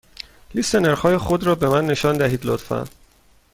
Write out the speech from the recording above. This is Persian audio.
لیست نرخ های خود را به من نشان دهید، لطفا.